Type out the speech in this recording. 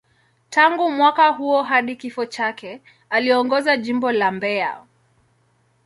Tangu mwaka huo hadi kifo chake, aliongoza Jimbo la Mbeya.